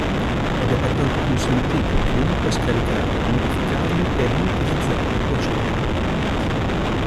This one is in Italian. Ed è pertanto consentito a chiunque scaricarli, modificarli e riutilizzarli a piacere.